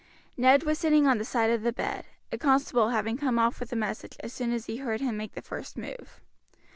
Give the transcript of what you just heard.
Ned was sitting on the side of the bed, a constable having come off with the message as soon as he heard him make the first move.